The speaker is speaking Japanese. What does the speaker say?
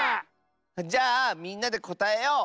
じゃあみんなでこたえよう！